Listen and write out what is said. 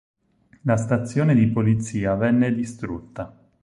La stazione di polizia venne distrutta.